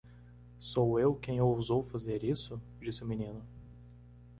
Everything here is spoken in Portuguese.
"Sou eu quem ousou fazer isso?" disse o menino.